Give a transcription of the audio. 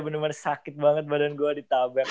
bener bener sakit banget badan gue ditabrak